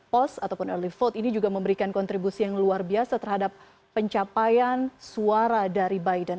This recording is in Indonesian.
post ataupun early vote ini juga memberikan kontribusi yang luar biasa terhadap pencapaian suara dari biden